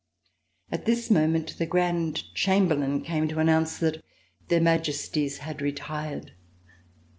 At this moment, the grand chamberlain came to announce that Their Majesties had retired.